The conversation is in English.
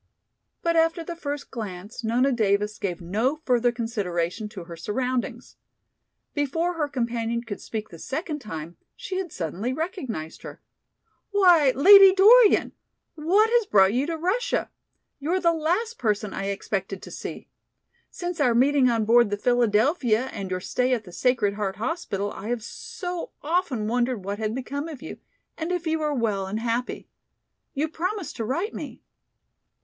But after the first glance, Nona Davis gave no further consideration to her surroundings. Before her companion could speak the second time she had suddenly recognized her. "Why, Lady Dorian, what has brought you to Russia? You are the last person I expected to see! Since our meeting on board the 'Philadelphia' and your stay at the Sacred Heart Hospital I have so often wondered what had become of you, and if you were well and happy. You promised to write me."